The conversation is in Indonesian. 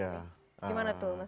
gimana tuh mas